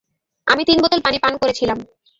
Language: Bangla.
আমি তিন বোতল পান করেছিলাম।